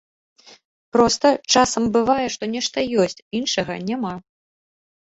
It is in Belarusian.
Проста, часам бывае, што нешта ёсць, іншага няма.